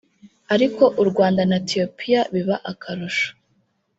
ariko u Rwanda na Ethiopia biba akarusho